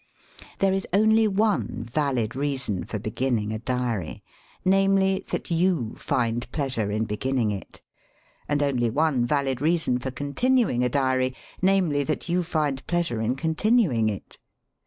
There is only one valid reason for be^nning 8 diary — namely, that you find pleasure in begin ning it ; and only one valid reason for continuing a diary — namely, that you find pleasure in con tinuing it.